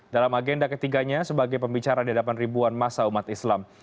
dalam agenda ketiganya sebagai pembicara di hadapan ribuan masa umat islam